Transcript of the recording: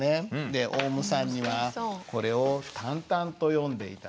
でオウムさんにはこれを淡々と読んで頂いて。